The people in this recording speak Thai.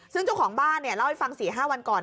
ซึ่งเจ้าของบ้านเล่าให้ฟัง๔๕วันก่อน